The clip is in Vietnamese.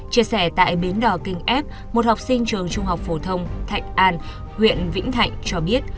chia sẻ tại bến đỏ kinh f một học sinh trường trung học phổ thông thạnh an huyện vĩnh thạnh cho biết